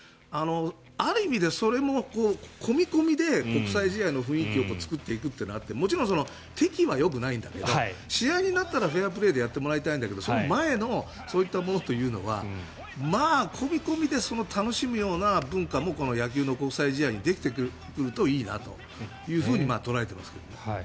ある意味でそれも込み込みで国際試合の雰囲気を作っていくというのはあってもちろん敵意はよくないんだけど試合になったらフェアプレーでやってもらいたいんだけどその前のそういったものというのはまあ、込み込みで楽しむような文化もこの野球の国際試合にできてくるといいなと捉えていますけどね。